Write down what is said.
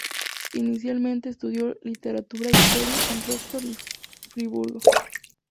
Inicialmente estudió Literatura e Historia en Rostock y Friburgo.